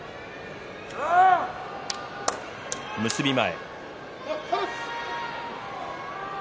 結び前。